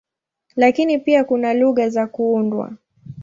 Lakini pia kuna lugha za kuundwa.